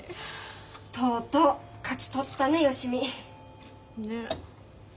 とうとう勝ち取ったね芳美。ね。